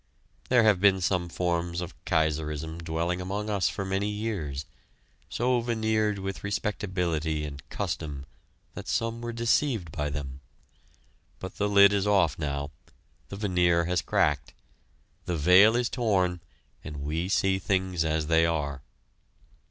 There have been some forms of kaiserism dwelling among us for many years, so veneered with respectability and custom that some were deceived by them; but the lid is off now the veneer has cracked the veil is torn, and we see things as they are.